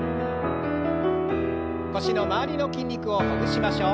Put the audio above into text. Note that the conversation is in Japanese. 腰の周りの筋肉をほぐしましょう。